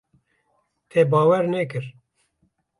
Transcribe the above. Te bawer nekir.